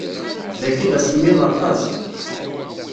Dagi d asemmiḍ aṭas.